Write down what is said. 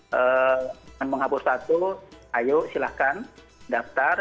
dengan menghapus satu ayo silahkan daftar